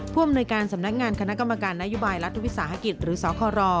อำนวยการสำนักงานคณะกรรมการนโยบายรัฐวิสาหกิจหรือสคร